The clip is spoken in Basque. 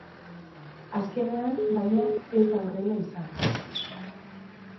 Azkenean, baina, ez da horrela izan.